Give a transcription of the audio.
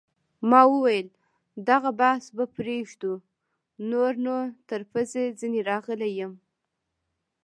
ما وویل: دغه بحث به پرېږدو، نور نو تر پزې ځیني راغلی یم.